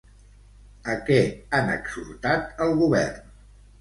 A què han exhortat al govern?